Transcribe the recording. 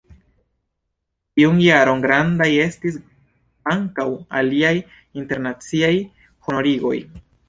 Tiun jaron grandaj estis ankaŭ liaj internaciaj honorigoj.